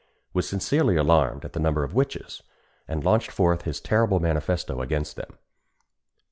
was sincerely alarmed at the number of witches, and launched forth his terrible manifesto against them.